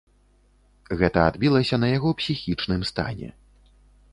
Гэта адбілася на яго псіхічным стане.